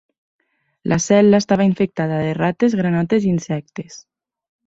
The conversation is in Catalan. La cel·la estava infestada de rates, granotes i insectes.